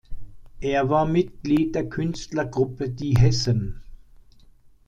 Er war Mitglied der Künstlergruppe "Die Hessen".